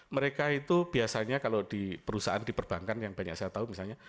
mereka itu biasanya kalau di perusahaan di perbankan yang banyak saya tahu misalnya